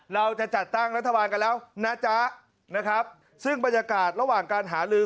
เราจะจัดตั้งรัฐบาลกันแล้วนะจ๊ะนะครับซึ่งบรรยากาศระหว่างการหาลือ